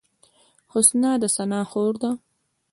حسنا د ثنا خور ده